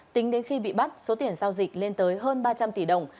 tính đến khi bị bắt số tiền giao dịch lên tới hơn ba trăm linh tỷ đồng